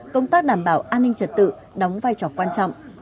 công tác đảm bảo an ninh trật tự đóng vai trò quan trọng